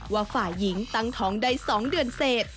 ว่าฝ่ายหญิงตั้งท้องได้๒เดือนเสร็จ